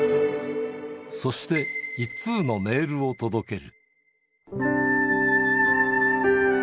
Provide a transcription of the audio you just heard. そして一通のメールを届ける。